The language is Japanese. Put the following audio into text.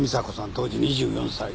当時２４歳。